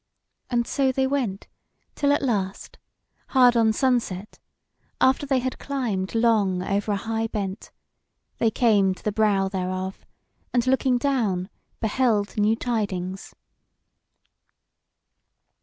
And so they went, till at last, hard on sunset, after they had climbed long over a high bent, they came to the brow thereof, and, looking down, beheld new tidings.